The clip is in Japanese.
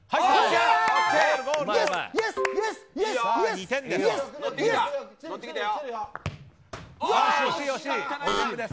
２点です。